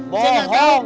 bisa gak tahu